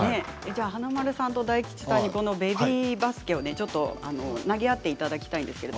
華丸さんと大吉さんにベビーバスケを投げ合っていただきたいです。